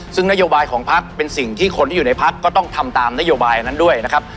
ซึ่งนโยบายของพักเป็นสิ่งที่คนที่อยู่ในพักก็ต้องทำตามนโยบายนั้นด้วยนะครับ